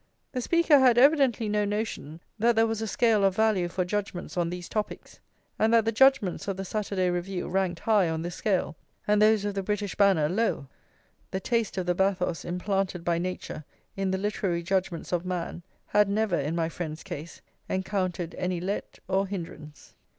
The speaker had evidently no notion that there was a scale of value for judgments on these topics, and that the judgments of the Saturday Review ranked high on this scale, and those of the British Banner low; the taste of the bathos implanted by nature in the literary judgments of man had never, in my friend's case, encountered any let or hindrance.